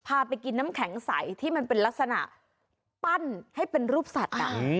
พาไปกินน้ำแข็งใสที่มันเป็นลักษณะปั้นให้เป็นรูปสัตว์